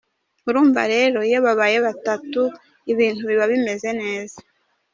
Urumva rero iyo babaye batatu, ibintu biba bimeze neza”.